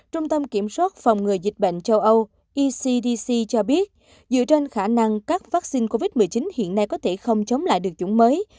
trung tâm kiểm soát phòng ngừa dịch bệnh châu âu ecdc cho biết dựa trên khả năng các vaccine covid một mươi chín hiện nay có thể không chống lại được chủng mới